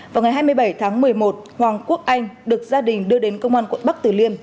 vào ngày hai mươi bảy tháng một mươi một hoàng quốc anh được gia đình đưa đến công an quận bắc tử liêm